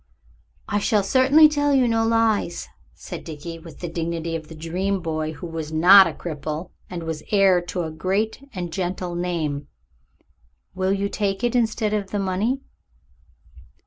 "I shall certainly tell you no lies," said Dickie, with the dignity of the dream boy who was not a cripple and was heir to a great and gentle name; "will you take it instead of the money?"